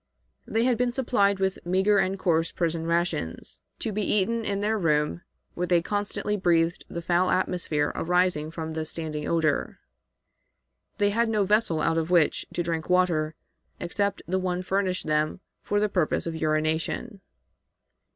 They had been supplied with meager and coarse prison rations, to be eaten in their room, where they constantly breathed the foul atmosphere arising from the standing odor. They had no vessel out of which to drink water, except the one furnished them for the purpose of urination.